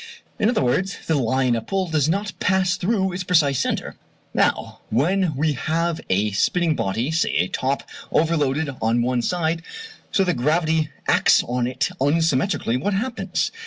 In other words, the line of pull does not pass through its precise centre. Now when we have a spinning body, say a top, overloaded on one side so that gravity acts on it unsymmetrically, what happens?